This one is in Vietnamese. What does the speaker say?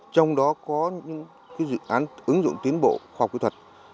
trong đó có những dự án ứng dụng tiến bộ khoa học kỹ thuật